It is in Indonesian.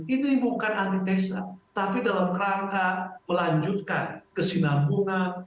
ini bukan antitesa tapi dalam rangka melanjutkan kesinambungan